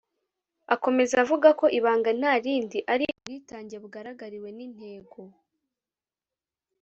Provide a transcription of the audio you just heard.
Akomeza avuga ko ibanga nta rindi ari ubwitange bugaragiwe n’intego